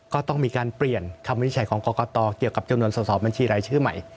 ก็ต้องมีการเปลี่ยนคำวินิจฉัยของกรกตเกี่ยวกับจำนวนสอบบัญชีรายชื่อใหม่